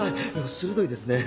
鋭いですね。